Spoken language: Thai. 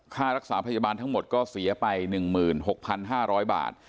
ค่ารักษาพยาบาลทั้งหมดก็เสียไป๑๖๕๐๐บาท